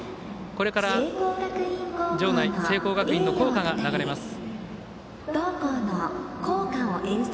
これから場内、聖光学院の校歌が流れます。